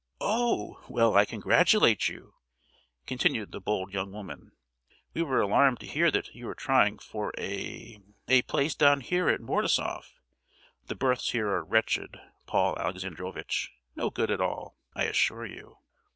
"Oh! well, I congratulate you!" continued the bold young woman. "We were alarmed to hear that you were trying for a—a place down here at Mordasoff. The berths here are wretched, Paul Alexandrovitch—no good at all, I assure you!"